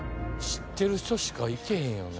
知ってる人しか行けへんよね。